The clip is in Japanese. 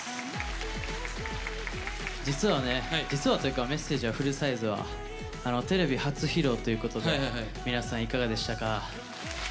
実はね実はというか「Ｍｅｓｓａｇｅ」はフルサイズはテレビ初披露ということで皆さんいかがでしたか？